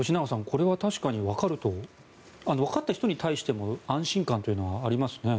これは確かにわかるとわかった人に対しても安心感というのはありますね。